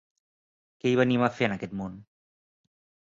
Què hi venim a fer en aquest món